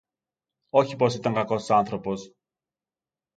Όχι πως ήταν κακός άνθρωπος